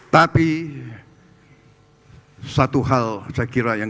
dan pertama ibu peradaan